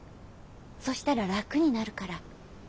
そしたら楽になるから。